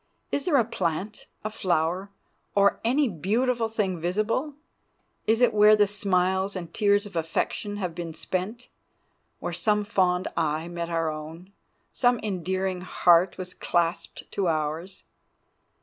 Is there a plant, a flower, or any beautiful thing visible? It is where the smiles and tears of affection have been spent—where some fond eye met our own, some endearing heart was clasped to ours.